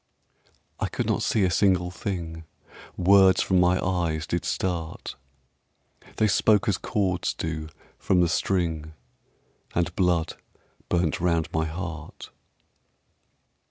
I could not see a single thing, Words from my eyes did start; They spoke as chords do from the string And blood burnt round my heart.